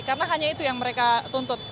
karena hanya itu yang mereka tuntut